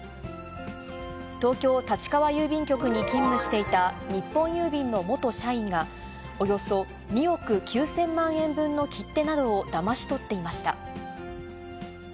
東京・立川郵便局に勤務していた日本郵便の元社員が、およそ２億９０００万円分の切手などをだまし取っていました。